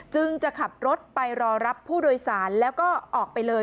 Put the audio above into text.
จะขับรถไปรอรับผู้โดยสารแล้วก็ออกไปเลย